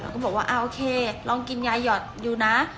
แล้วก็บอกว่าอ่าโอเคลองกินยายอดอยู่นะ